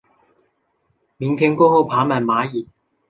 明天过后爬满蚂蚁